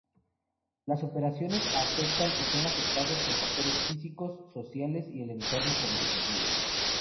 Las operaciones afectan y son afectados por factores físicos, sociales y el entorno competitivo.